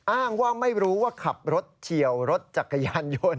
อ้างว่าไม่รู้ว่าขับรถเฉียวรถจักรยานยนต์